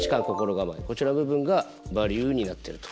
こちらの部分がバリューになってると。